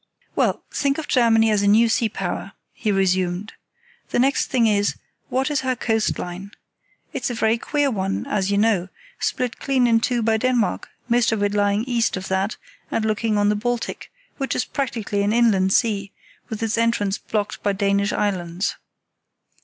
"Well, think of Germany as a new sea power," he resumed. "The next thing is, what is her coast line? It's a very queer one, as you know, split clean in two by Denmark, most of it lying east of that and looking on the Baltic, which is practically an inland sea, with its entrance blocked by Danish islands.